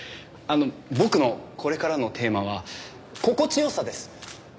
あの僕のこれからのテーマは「心地良さ」です。